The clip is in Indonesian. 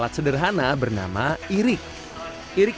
jadi setelah jadi seperti ini